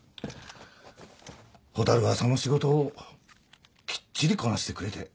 蛍はその仕事をきっちりこなしてくれて。